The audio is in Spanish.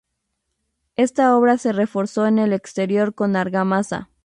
Esta obra se reforzó en el exterior con argamasa.